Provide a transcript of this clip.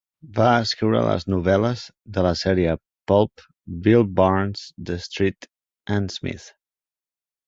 Va escriure les novel·les de la sèrie pulp Bill Barnes de Street and Smith.